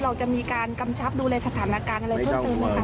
เราจะมีการกำชับดูแลสถานการณ์อะไรเพิ่มเติมไหมคะ